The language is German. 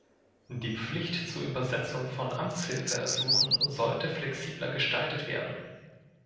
Die Pflicht zur Übersetzung von Amtshilfeersuchen sollte flexibler gestaltet werden.